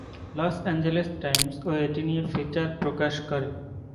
Loss Angeles Times ও এটি নিয়ে ফিচার প্রকাশ করে।